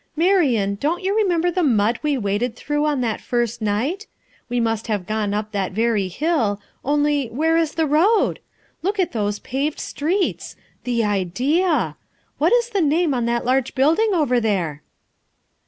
"Marian, don't you remember the mud we waded through on that first night? We must have gone up that very hill, only, where is the road? Look at those paved streets! the idea! What is the name on that large building over there?"